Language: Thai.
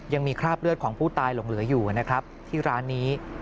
ยังมีคราบเลือดของผู้ตายหลงเหลืออยู่นะครับที่ร้านนี้